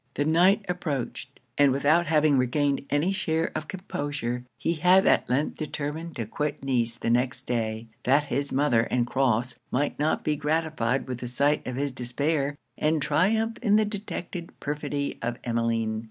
The night approached; and without having regained any share of composure, he had at length determined to quit Nice the next day, that his mother and Crofts might not be gratified with the sight of his despair, and triumph in the detected perfidy of Emmeline.